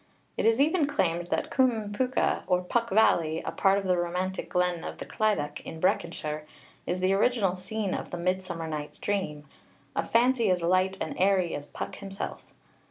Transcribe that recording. It is even claimed that Cwm Pwca, or Puck Valley, a part of the romantic glen of the Clydach, in Breconshire, is the original scene of the 'Midsummer Night's Dream' a fancy as light and airy as Puck himself.